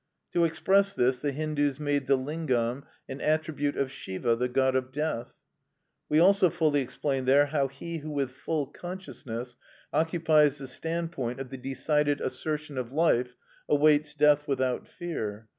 To express this the Hindus made the lingam an attribute of Siva, the god of death. We also fully explained there how he who with full consciousness occupies the standpoint of the decided assertion of life awaits death without fear.